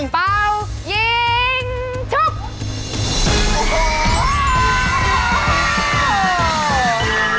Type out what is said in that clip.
เป้ายิงชุด